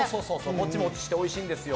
モチモチしておいしいんですよ。